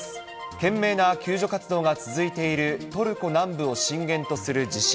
懸命な救助活動が続いている、トルコ南部を震源とする地震。